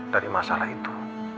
dari masalah itu